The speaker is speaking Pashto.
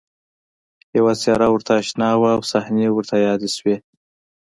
یوه څېره ورته اشنا وه او صحنې ورته یادې شوې